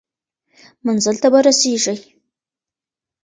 منزل ته به ورسیږئ.